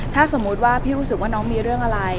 ถ้าสมมุติว่าพี่รู้สึกว่าน้องมีเรื่องอะไร